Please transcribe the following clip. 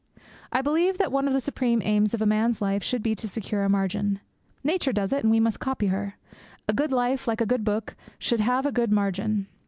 I believe that one of the supreme aims of a man's life should be to secure a margin. Nature does it, and we must copy her. A good life, like a good book, should have a good margin.